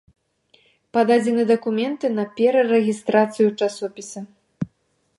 Пададзены дакументы на перарэгістрацыю часопіса.